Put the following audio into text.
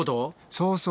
そうそう。